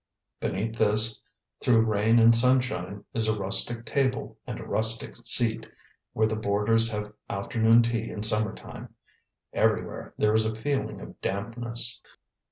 Beneath this, through rain and sunshine, is a rustic table and a rustic seat, where the boarders have afternoon tea in summertime. Everywhere there is a feeling of dampness.